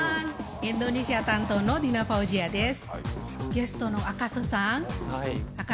インドネシア担当のディナ・ファオジアです。